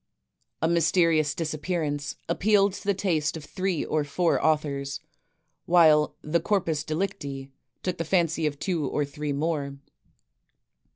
"A Mysterious Disappearance," appealed to the taste of three or four authors, while "The Corpus Delicti" took the fancy of two or three more.